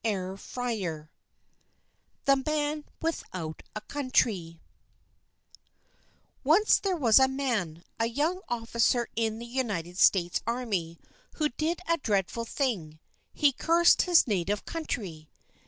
XXXII THE MAN WITHOUT A COUNTRY ONCE there was a man, a young officer in the United States Army, who did a dreadful thing he cursed his native country!